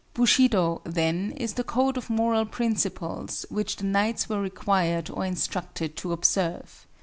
Bushido, then, is the code of moral principles which the knights were required or instructed to observe.